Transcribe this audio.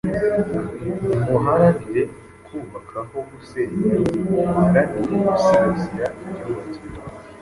Nimuharanire kubaka aho gusenya, muharanire gusigasira ibyubatswe